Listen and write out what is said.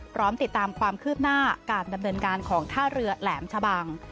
พร้อมติดตามความคืบหน้าการดำเนินการของท่าเรือแหลมชะบัง